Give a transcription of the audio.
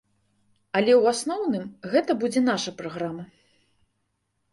Але, у асноўным, гэта будзе наша праграма.